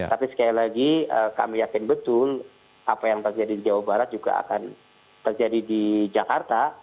tapi sekali lagi kami yakin betul apa yang terjadi di jawa barat juga akan terjadi di jakarta